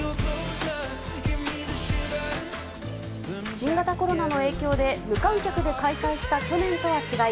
新型コロナの影響で無観客で開催した去年とは違い